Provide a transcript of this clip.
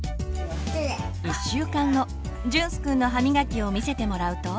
１週間後隼州くんの歯みがきを見せてもらうと。